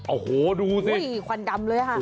โอ้โหดูสิควันดำเลยค่ะ